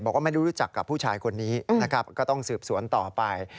บอกว่าไม่รู้รู้จักกับผู้ชายคนนี้ก็ต้องสืบสวนต่อไป